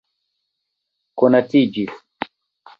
konatiĝis